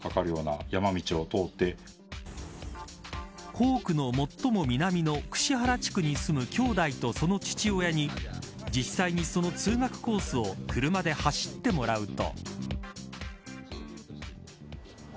校区の最も南の串原地区に住む兄弟とその父親に実際にその通学コースを車で走ってもらうと。